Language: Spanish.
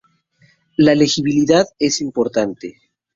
La legibilidad es importante.